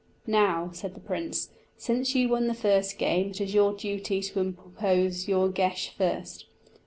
"Now," said the prince, "since you won the first game, it is your duty to impose your geis first."